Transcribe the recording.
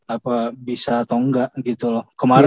apa bisa atau enggak gitu loh